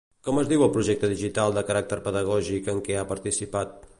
Com es diu el projecte digital de caràcter pedagògic en què ha participat?